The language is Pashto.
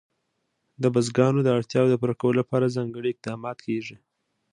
د بزګانو د اړتیاوو پوره کولو لپاره ځانګړي اقدامات کېږي.